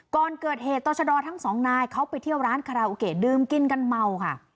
ก่อนเกิดเหตุต่อชะดอทั้งสองนายเขาไปเที่ยวร้านคาราโอเกะดื่มกินกันเมาค่ะ